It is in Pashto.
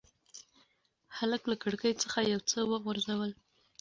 هلک له کړکۍ څخه یو څه وغورځول.